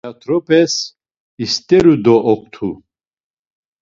Tiat̆orapes isteru do oktu.